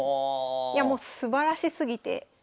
いやもうすばらしすぎて。